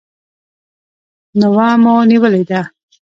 نوه مو نیولې ده.